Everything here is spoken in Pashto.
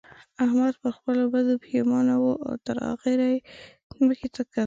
احمد پر خپلو بدو پېښمانه وو او تر اخېره يې ځمکې ته کتل.